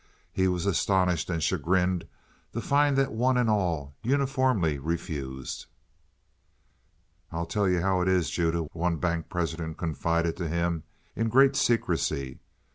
He was astonished and chagrined to find that one and all uniformly refused. "I'll tell you how it is, Judah," one bank president confided to him, in great secrecy.